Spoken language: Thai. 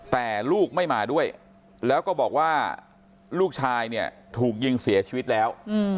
แต่ลูกไม่มาด้วยแล้วก็บอกว่าลูกชายเนี่ยถูกยิงเสียชีวิตแล้ว